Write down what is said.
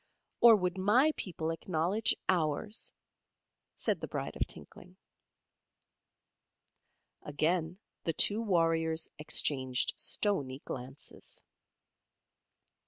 "Or would my people acknowledge ours?" said the Bride of Tinkling. Again the two warriors exchanged stoney glances.